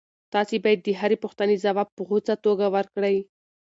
تاسي باید د هرې پوښتنې ځواب په غوڅه توګه ورکړئ.